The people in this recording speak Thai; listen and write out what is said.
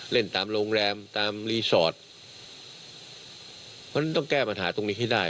เล่นตามโรงแรมตามรีสอร์ทเพราะฉะนั้นต้องแก้ปัญหาตรงนี้ให้ได้